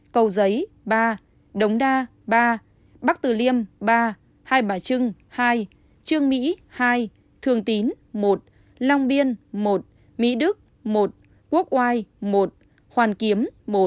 cầu giấy ba đống đa ba bắc tử liêm ba hai bà trưng hai trương mỹ hai thường tín một long biên một mỹ đức một quốc oai một hoàn kiếm